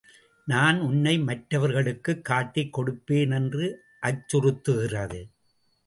நான் உன்னை மற்றவர்களுக்குக் காட்டிக் கொடுப்பேன்! என்று அச்சுறுத்துகிறது.